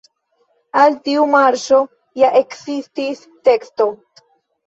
Al tiu marŝo ja ekzistis teksto.